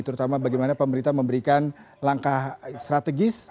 terutama bagaimana pemerintah memberikan langkah strategis